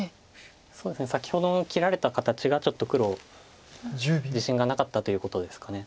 そうですね先ほどの切られた形がちょっと黒自信がなかったということですか。